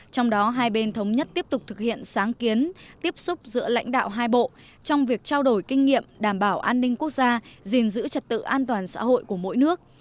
trong đó hai bên thống nhất tiếp tục thực hiện sáng kiến tiếp xúc giữa lãnh đạo hai bộ trong việc trao đổi kinh nghiệm đảm bảo an ninh quốc gia gìn giữ trật tự an toàn xã hội của mỗi nước